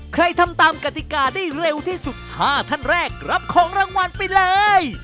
ใครทำตามกติกาได้เร็วที่สุด๕ท่านแรกรับของรางวัลไปเลย